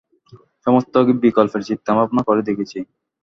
সমস্ত বিকল্পের চিন্তাভাবনা করে দেখেছি।